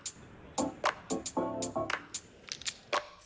bali tak bisa lepas dari kelihat ekonomi papatetaka